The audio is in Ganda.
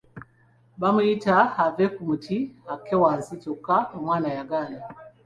Baamuyita ave ku muti akke wansi kyokka omwana yagaana.